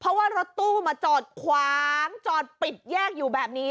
เพราะว่ารถตู้มาจอดขวางจอดปิดแยกอยู่แบบนี้